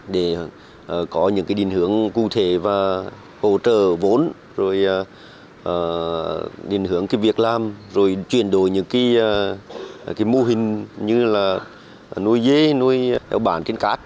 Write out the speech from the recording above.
để có những định hướng cụ thể và hỗ trợ vốn rồi điền hướng việc làm rồi chuyển đổi những mô hình như là nuôi dê nuôi ở bản trên cát